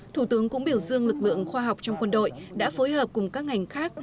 thủ tướng cũng biểu dương lực lượng khoa học trong quân đội đã phối hợp cùng các ngành khác